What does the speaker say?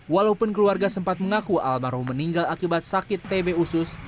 walaupun keluarga sempat mengaku almarhum meninggal akibat sakit tb usus